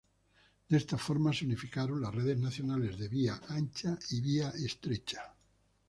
De esta forma se unificaron las redes nacionales de vía ancha y vía estrecha.